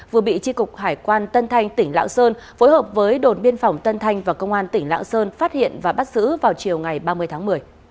vừa bị tri cục hải quan tân thanh tỉnh lạng sơn phối hợp với đồn biên phòng tân thanh và công an tỉnh lạng sơn phát hiện và bắt giữ vào chiều ngày ba mươi tháng một mươi